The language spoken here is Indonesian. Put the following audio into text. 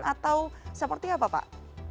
atau seperti apa pak